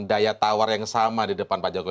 daya tawar yang sama di depan pak jokowi